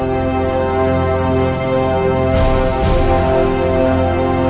semoga yang terkuasalah umri umrimu nek